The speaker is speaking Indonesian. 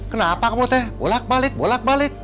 kenapa kamu teh bolak balik bolak balik